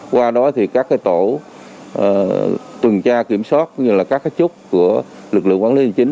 qua đó thì các tổ tuần tra kiểm soát như là các chốt của lực lượng quản lý hành chính